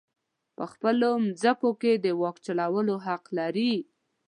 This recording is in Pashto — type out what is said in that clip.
په خپلو مځکو کې د واک چلولو حق لري.